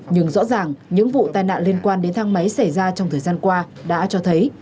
nhưng rõ ràng những vụ tai nạn liên quan đến thang máy xảy ra trong thời gian qua đã cho thấy